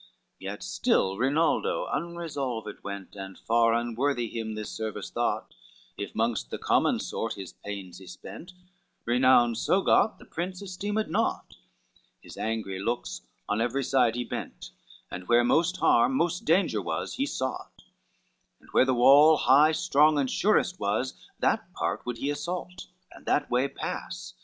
LXXII Yet still Rinaldo unresolved went, And far unworthy him this service thought, If mongst the common sort his pains he spent; Renown so got the prince esteemed naught: His angry looks on every side he bent, And where most harm, most danger was, he fought, And where the wall high, strong and surest was, That part would he assault, and that way pass.